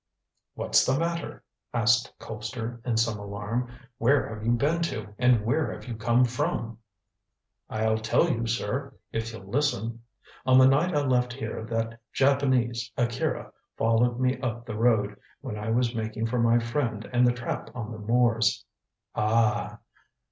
"What's the matter?" asked Colpster in some alarm. "Where have you been to, and where have you come from?" "I'll tell you, sir, if you'll listen. On the night I left here that Japanese Akira followed me up the road, when I was making for my friend and the trap on the moors." "Ah!"